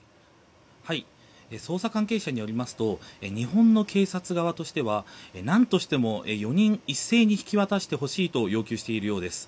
捜査関係者によりますと日本の警察側としては何としても４人一斉に引き渡してほしいと要求しているようです。